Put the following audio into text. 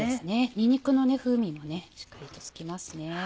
にんにくの風味もしっかりとつきますね。